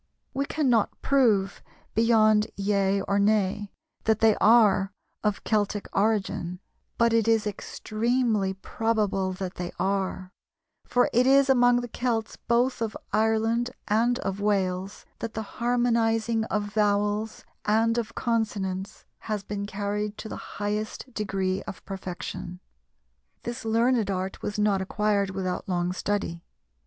We cannot prove beyond yea or nay that they are of Celtic origin, but it is extremely probable that they are, for it is among the Celts both of Ireland and of Wales that the harmonizing of vowels and of consonants has been carried to the highest degree of perfection. This learned art was not acquired without long study.